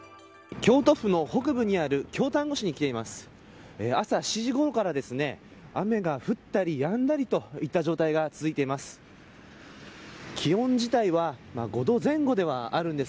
京都府の北部にある京丹後市に来ています。